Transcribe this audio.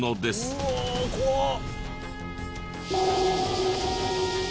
うお怖っ！